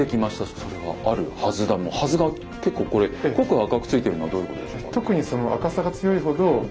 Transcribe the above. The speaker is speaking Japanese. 「それはある筈だ」も「筈」が結構これ濃く赤くついてるのはどういうことですか？